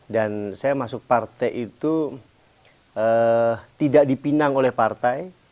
dan saya masuk partai itu tidak dipinang oleh partai